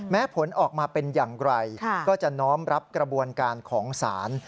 ผลออกมาเป็นอย่างไรก็จะน้อมรับกระบวนการของศาล